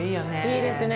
いいですね